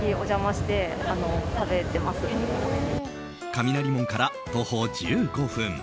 雷門から徒歩１５分